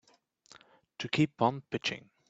To keep on pitching.